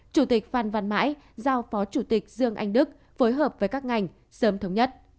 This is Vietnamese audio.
chủ tịch phan văn mãi giao phó chủ tịch dương anh đức phối hợp với các ngành sớm thống nhất